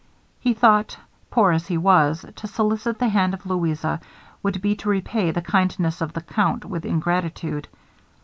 He thought, poor as he was, to solicit the hand of Louisa, would be to repay the kindness of the count with ingratitude.